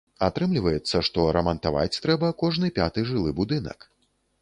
Атрымліваецца, што рамантаваць трэба кожны пяты жылы будынак.